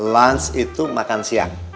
lans itu makan siang